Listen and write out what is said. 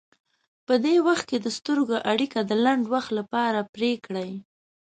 په دې وخت کې د سترګو اړیکه د لنډ وخت لپاره پرې کړئ.